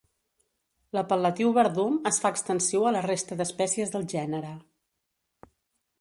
L'apel·latiu verdum es fa extensiu a la resta d'espècies del gènere.